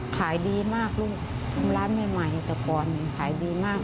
ขายดีมากลูกทำร้านใหม่แต่ก่อนขายดีมาก